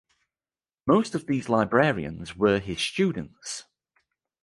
Most of these librarians were his students.